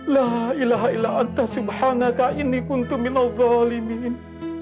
la ilaha ila anta subhanaka inni kuntu minal dhalimin